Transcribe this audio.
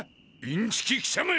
インチキ記者め！